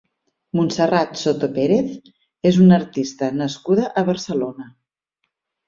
Montserrat Soto Pérez és una artista nascuda a Barcelona.